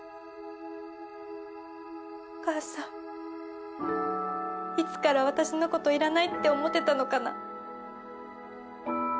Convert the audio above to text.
お母さんいつから私のこといらないって思ってたのかな。